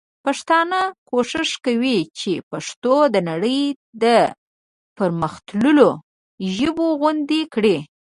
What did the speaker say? پښتانه کوښښ کوي چي پښتو د نړۍ د پر مختللو ژبو غوندي کړي.